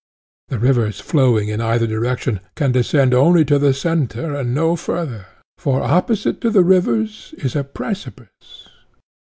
The rivers flowing in either direction can descend only to the centre and no further, for opposite to the rivers is a precipice.